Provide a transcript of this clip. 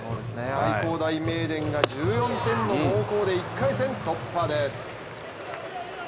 愛工大名電が１４点の猛攻で１回戦突破です。